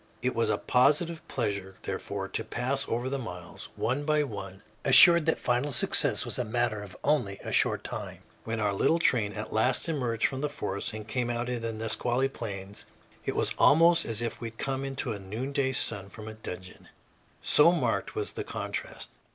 It was a positive pleasure, therefore, to pass over the miles, one by one, assured that final success was a matter of only a very short time. When our little train at last emerged from the forests and came out into the Nisqually plains, it was almost as if we had come into a noonday sun from a dungeon, so marked was the contrast.